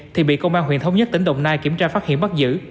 thì bị công an huyện thống nhất tỉnh đồng nai kiểm tra phát hiện bắt giữ